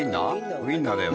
ウィンナーだよね。